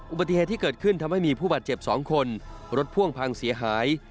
อุบัติเหตุที่เกิดขึ้นทำให้มีผู้บาดเจ็บ๒คนรถพ่วงพังเสียหาย